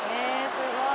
すごい！」